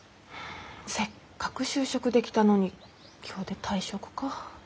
せっかく就職できたのに今日で退職か。